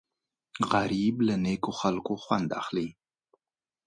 غریب له نیکو خلکو خوند اخلي